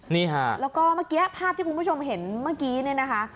นี่ค่ะแล้วก็เมื่อกี้ภาพที่คุณผู้ชมเห็นเมื่อกี้เนี่ยนะคะ